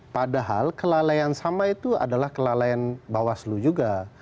padahal kelalaian sama itu adalah kelalaian bawaslu juga